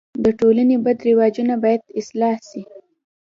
د ټولني بد رواجونه باید اصلاح سي.